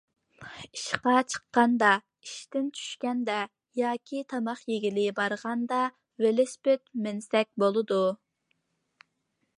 ئىشقا چىققان، ئىشتىن چۈشكەن ياكى تاماق يېگىلى بارغاندا ۋېلىسىپىت مىنسەك بولىدۇ.